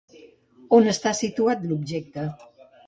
On està situat l'objecte?